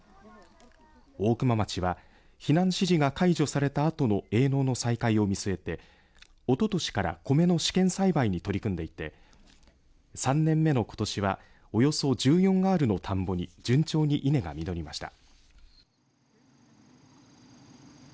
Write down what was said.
大熊町は避難指示が解除されたあとの営農の再開を見据えておととしからコメの試験栽培に取り組んでいて３年目のことしはおよそ１４アールの田んぼに順調に稲が実りました。